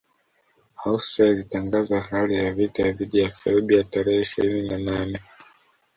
Austria ilitangaza hali ya vita dhidi ya Serbia tarehe ishirini na nane